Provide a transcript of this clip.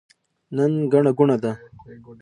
نن ګڼه ګوڼه ده.